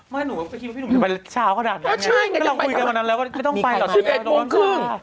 พี่หนุ่มไปตกจากสิบเอ็ดโมงครึ่ง